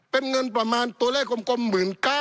เป็นเงินประมาณตัวเลขกลม๑๙๐๐